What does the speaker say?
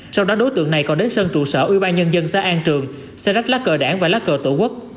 sau đó đối tượng này còn đến sân trụ sở ubnd xã an trường xe rách lá cờ đảng và lá cờ tổ quốc